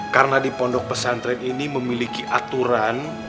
karena di pondok pesantren ini memiliki aturan